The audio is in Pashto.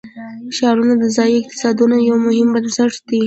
ښارونه د ځایي اقتصادونو یو مهم بنسټ دی.